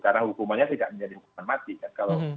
karena hukumannya tidak menjadi hukuman mati kan